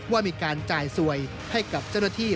ว่ามีการจ่ายสวยให้กับเจ้าหน้าที่